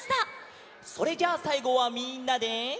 それじゃあさいごはみんなで。